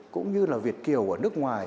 cũng như là việt kiều ở nước ngoài